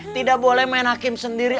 tidak boleh main hakim sendiri